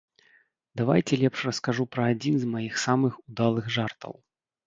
Давайце лепш раскажу пра адзін з маіх самых удалых жартаў.